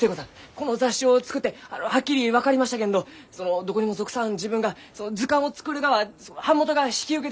この雑誌を作ってはっきり分かりましたけんどそのどこにも属さん自分が図鑑を作るがは版元が引き受けてくれません。